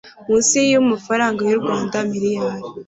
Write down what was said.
munsi y amafaranga y u rwanda miliyari